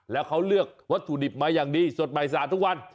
แล้วเขาเลือกวัตถุดิบมาอย่างดีสดใหม่สะอาดทุกวัน